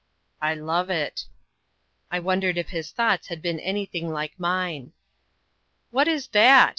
"I love it." I wondered if his thoughts had been anything like mine. "What is that?"